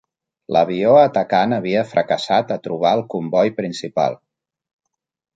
L'avió atacant havia fracassat a trobar el comboi principal.